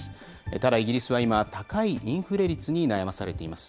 ただイギリスは今、高いインフレ率に悩まされています。